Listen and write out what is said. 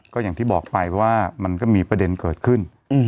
ก็อย่างที่บอกไปว่ามันก็มีประเด็นเกิดขึ้น